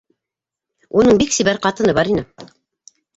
- Уның бик сибәр ҡатыны бар ине...